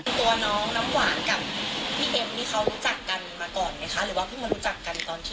ตัวน้องน้ำหวานกับพี่เอ็มนี่เขารู้จักกันมาก่อนไหมคะหรือว่าเพิ่งมารู้จักกันตอนที่